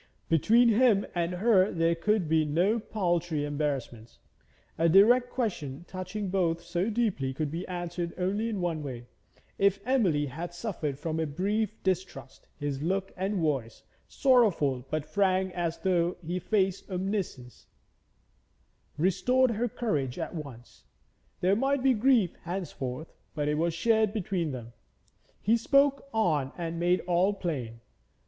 Between him and her there could be no paltry embarrassments. A direct question touching both so deeply could be answered only in one way. If Emily had suffered from a brief distrust, his look and voice, sorrowful but frank as though he faced Omniscience, restored her courage at once. There might be grief henceforth, but it was shared between them. He spoke on and made all plain.